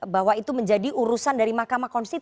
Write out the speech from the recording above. bahwa itu menjadi urusan dari mk